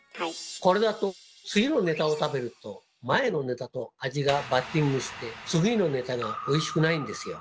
これだと次のネタを食べると前のネタと味がバッティングして次のネタがおいしくないんですよ。